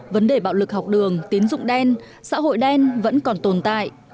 vấn đề bạo lực học đường tiến dụng đen xã hội đen vẫn còn tồn tại